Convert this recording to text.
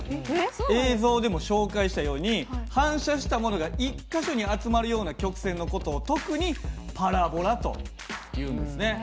映像でも紹介したように反射したものが１か所に集まるような曲線の事を特にパラボラというんですね。